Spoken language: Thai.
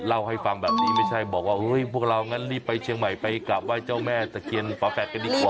เล่าให้ฟังแบบนี้ไม่ใช่บอกว่าพวกเรางั้นรีบไปเชียงใหม่ไปกลับไห้เจ้าแม่ตะเคียนฝาแฝดกันดีกว่า